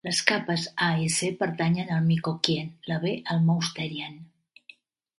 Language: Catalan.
Les capes A i C pertanyen al Micoquien, la B al Mousterian.